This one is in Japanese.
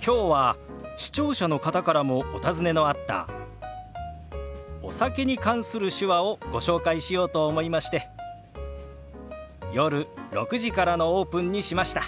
きょうは視聴者の方からもお尋ねのあったお酒に関する手話をご紹介しようと思いまして夜６時からのオープンにしました。